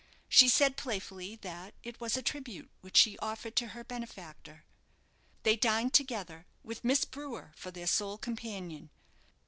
She said playfully that it was a tribute which she offered to her benefactor. They dined together, with Miss Brewer for their sole companion.